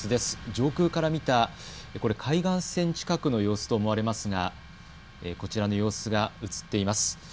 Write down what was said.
上空から見たこれ、海岸線近くの様子と思われますがこちらの様子が映っています。